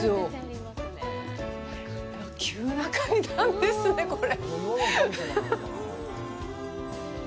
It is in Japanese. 急な階段ですね、これ。